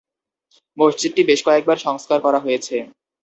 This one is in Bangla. মসজিদটি বেশ কয়েকবার সংস্কার করা হয়েছে।